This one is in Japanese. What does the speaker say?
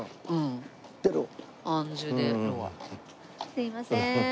すいません。